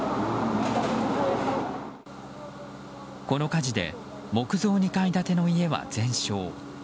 この火事で木造２階建ての家は全焼。